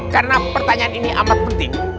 karena pertanyaan ini amat penting